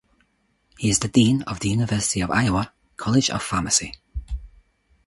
He is the Dean of the University of Iowa College of Pharmacy.